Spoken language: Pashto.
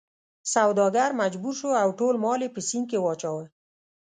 سوداګر مجبور شو او ټول مال یې په سیند کې واچاوه.